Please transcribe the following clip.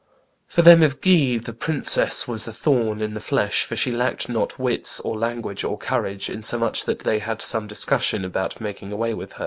For them of Guise the princess was a thorn in the flesh, for she lacked not wits, or language, or courage, insomuch that they had some discussion about making away with her.